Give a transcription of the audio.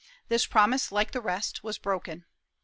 This promise, like the rest, was broken.